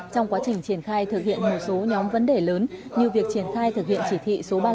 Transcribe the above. trong quá trình triển khai thực hiện một số nhóm vấn đề lớn như việc triển khai thực hiện chỉ thị số ba mươi chín